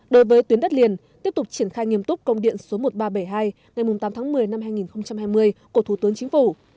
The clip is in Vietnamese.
đối với tuyến đất liền tiếp tục triển khai nghiêm túc công điện số một nghìn ba trăm bảy mươi hai ngày tám tháng một mươi năm hai nghìn hai mươi của thủ tướng chính phủ